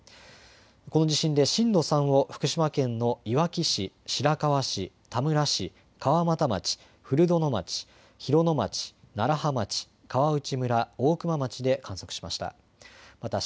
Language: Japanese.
この地震で震度３を福島県のいわき市、白河市、田村市、川俣町、古殿町、広野町、楢葉町、川内村、大熊町で観測しました。